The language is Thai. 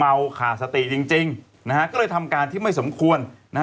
ขาดสติจริงจริงนะฮะก็เลยทำการที่ไม่สมควรนะฮะ